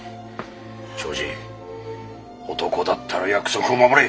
長次男だったら約束を守れ！